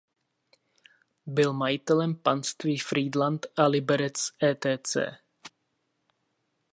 Byl majitelem panství Frýdlant a Liberec etc.